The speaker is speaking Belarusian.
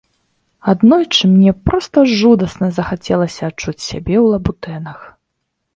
Аднойчы мне проста жудасна захацелася адчуць сябе ў лабутэнах.